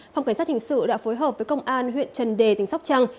phòng cảnh sát hình sự đã phối hợp với công an huyện trần đề tỉnh sóc trăng